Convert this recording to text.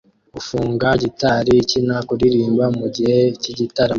gufunga gitari ikina kuririmba mugihe cy'igitaramo